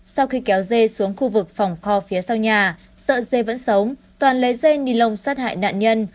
sau khi kéo dê xuống khu vực phòng kho phía sau nhà sợ dê vẫn sống toàn lấy dây ni lông sát hại nạn nhân